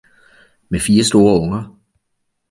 Med fire store unger.